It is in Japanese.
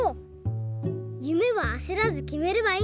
ゆめはあせらずきめればいいんだね。